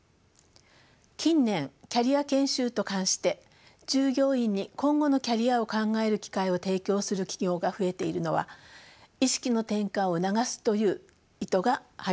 近年キャリア研修と冠して従業員に今後のキャリアを考える機会を提供する企業が増えているのは意識の転換を促すという意図が背景にあります。